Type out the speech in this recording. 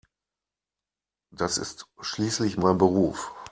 Das ist schließlich mein Beruf.